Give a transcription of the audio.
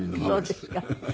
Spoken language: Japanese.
そうですか。